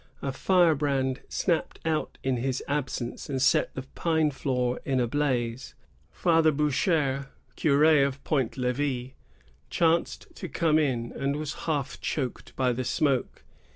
A firebrand snapped out in his absence and set the pine floor in a blaze. Father Boucher, cur6 of Point Levi, chanced to come in, and was half choked by the smoke.